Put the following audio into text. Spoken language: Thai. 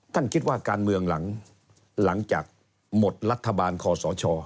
ท่านคิดว่าการเมืองหลังจากหมดรัฐบาลคอสช